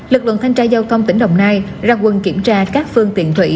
lực lượng thanh tra giao thông tỉnh đồng nai ra quân kiểm tra các phương tiện thủy